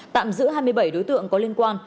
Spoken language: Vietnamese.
tạm giữ hai mươi bảy đối tượng có liên quan